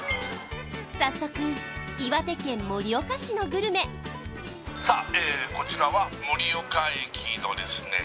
早速岩手県盛岡市のグルメさあええこちらは盛岡駅のですね